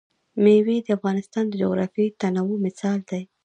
مېوې د افغانستان د جغرافیوي تنوع مثال دی.